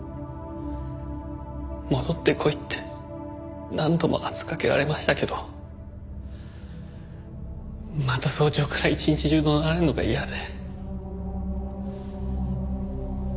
戻ってこいって何度も圧かけられましたけどまた早朝から一日中怒鳴られるのが嫌で。